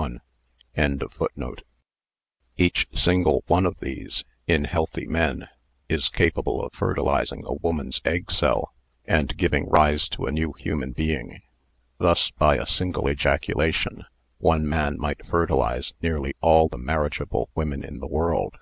* Each single one of these (in healthy men) is capable of fertilising a woman's egg cell and giving rise to a new human being. (Thus by a single ejacula tion one man might fertilise nearly all the marriage able women in the world!)